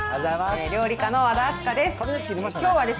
料理家の和田明日香です。